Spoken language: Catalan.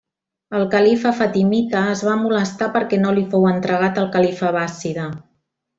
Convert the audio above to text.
El califa fatimita es va molestar perquè no li fou entregat el califa abbàssida.